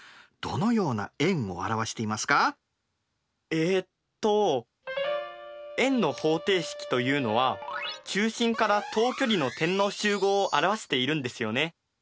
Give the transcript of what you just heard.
えっと円の方程式というのは中心から等距離の点の集合を表しているんですよね。